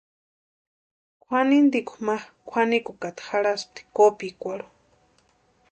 Kwʼanintikwa ma kwʼanikukata jarhaspti kopikwarhu.